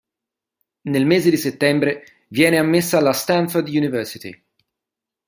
Nel mese di Settembre viene ammessa alla Stanford University.